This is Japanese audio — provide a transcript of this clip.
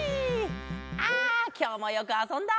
あきょうもよくあそんだ。